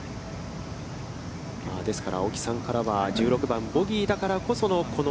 ですから、青木さんからは、１６番、ボギーだからこそのこの。